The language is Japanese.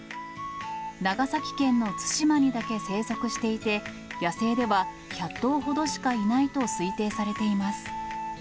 長崎県の対馬にだけ生息していて、野生では１００頭ほどしかいないと推定されています。